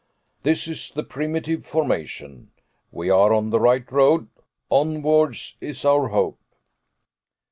"This is the primitive formation we are on the right road onwards is our hope!"